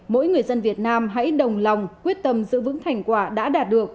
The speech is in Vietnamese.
mỗi người dân việt nam hãy đồng lòng quyết tâm giữ vững thành quả đã đạt được